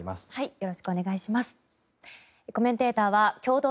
よろしくお願いします。